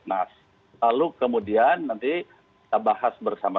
sebesar itu soal kilos percuma